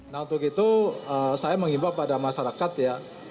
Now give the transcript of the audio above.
nah untuk itu saya mengimbau pada masyarakat ya